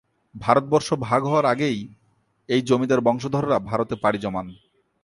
ভারতবর্ষ ভাগ হওয়ার আগেই এই জমিদার বংশধররা ভারতে পাড়ি জমান।